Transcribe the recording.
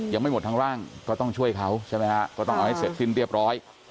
ยังไม่หมดทั้งร่างก็ต้องช่วยเขาใช่ไหมฮะก็ต้องเอาให้เสร็จสิ้นเรียบร้อย